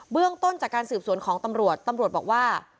เรื่องต้นจากการสืบสวนของตำรวจตำรวจบอกว่า